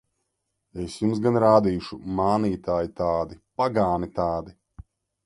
Es jums gan rādīšu! Mānītāji tādi! Pagāni tādi!